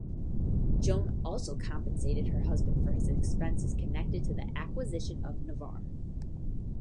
Joan also compensated her husband for his expenses connected to the acquisition of Navarre.